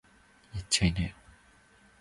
やっちゃいなよ